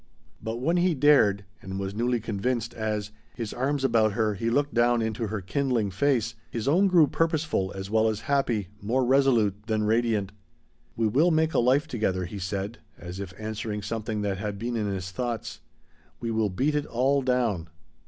But when he dared, and was newly convinced, as, his arms about her he looked down into her kindling face, his own grew purposeful as well as happy, more resolute than radiant. "We will make a life together," he said, as if answering something that had been in his thoughts. "We will beat it all down."